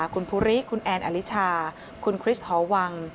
คุณภูริคุณแอนอลิชาคุณคริสหอวัง